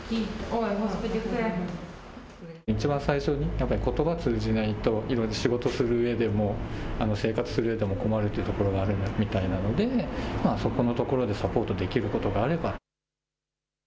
一番最初に、ことば通じないと、生活するうえでも困るというところがあるみたいなので、そこのところでサポートできることがあれば。